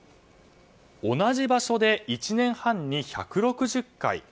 同じ場所で１年半に１６０回。